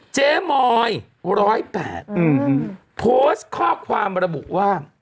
เจ๊มอย๑๐๘โพสต์ข้อความระบุว่า